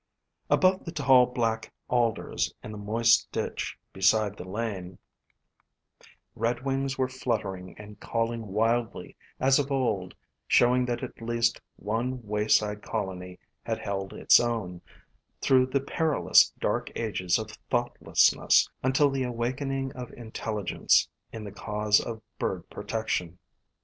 Above the tall Black Alders in the moist ditch beside the lane, redwings were fluttering and call ing wildly as of old, showing that at least one way FLOWERS OF THE SUN 225 side colony had held its own, through the perilous dark ages of thoughtlessness, until the awakening of intelligence in the cause of bird protection.